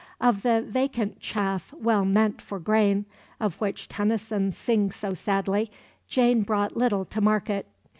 Of the "vacant chaff well meant for grain" of which Tennyson sings so sadly, Jane brought little to market.